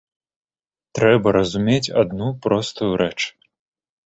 Трэба разумець адну простую рэч.